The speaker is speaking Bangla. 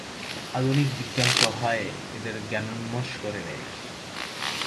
আধুনিক বিজ্ঞানসহায়ে এদের জ্ঞানোন্মেষ করে দে।